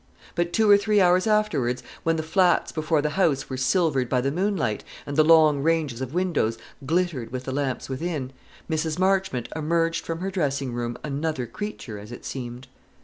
But two or three hours afterwards, when the flats before the house were silvered by the moonlight, and the long ranges of windows glittered with the lamps within, Mrs. Marchmont emerged from her dressing room another creature, as it seemed.